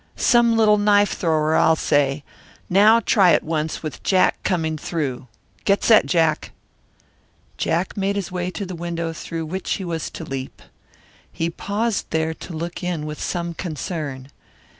Some little knife thrower, I'll say. Now try it once with Jack coming through. Get set, Jack." Jack made his way to the window through which he was to leap. He paused there to look in with some concern.